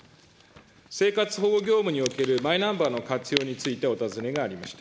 生活保護業務におけるマイナンバーの活用についてお尋ねがありました。